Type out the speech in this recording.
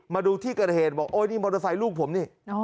มาดูที่เกิดเหตุบอกโอ้ยนี่มอเตอร์ไซค์ลูกผมนี่